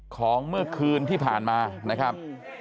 ของเมื่อคืนที่ผ่านมานะครับ